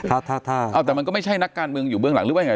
อ้าวแต่มันก็ไม่ใช่นักการเมืองอยู่เบื้องหลังหรือไง